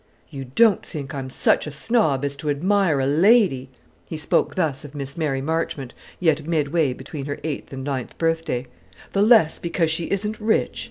"You don't think I'm such a snob as to admire a lady" he spoke thus of Miss Mary Marchmont, yet midway between her eighth and ninth birthday "the less because she isn't rich?